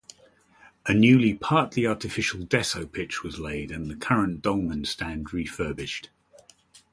A new partly-artificial Desso pitch was laid and the current Dolman stand refurbished.